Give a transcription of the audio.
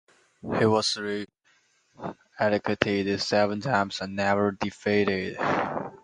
He was re-elected seven times, and never defeated.